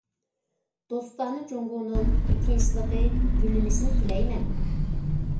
دوستانە جۇڭگونىڭ تىنچلىقى، گۈللىنىشىنى تىلەيمەن!